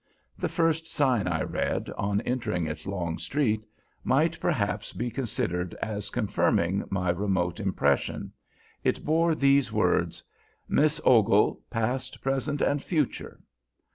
The first sign I read, on entering its long street, might perhaps be considered as confirming my remote impression. It bore these words: "Miss Ogle, Past, Present, and Future."